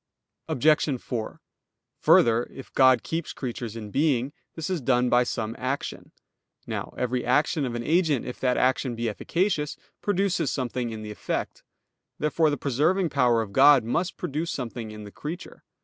Obj. 4: Further, if God keeps creatures in being, this is done by some action. Now every action of an agent, if that action be efficacious, produces something in the effect. Therefore the preserving power of God must produce something in the creature.